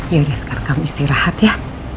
ya sekarang kamu istirahat ya